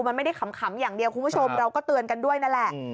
มันไม่ได้ขำอย่างเดียวคุณผู้ชมเราก็เตือนกันด้วยนั่นแหละ